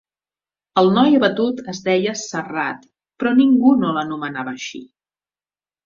El noi abatut es deia Serrat però ningú no l'anomenava així.